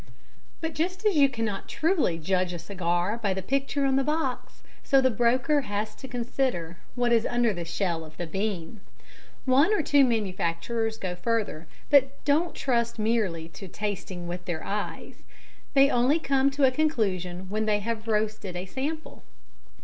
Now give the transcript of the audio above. But just as you cannot truly judge a cigar by the picture on the box, so the broker has to consider what is under the shell of the bean. One or two manufacturers go further, but don't trust merely to "tasting with their eyes" they only come to a conclusion when they have roasted a sample.